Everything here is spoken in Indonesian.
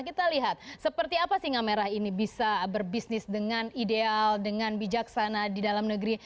kita lihat seperti apa singa merah ini bisa berbisnis dengan ideal dengan bijaksana di dalam negeri